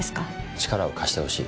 力を貸してほしい。